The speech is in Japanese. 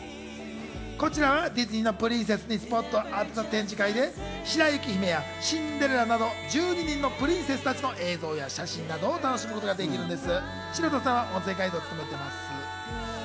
こちらはディズニーのプリンセスにスポットを当てた展示会で白雪姫やシンデレラなど１２人のプリンセスたちの映像や写真などを楽しむことができるんです。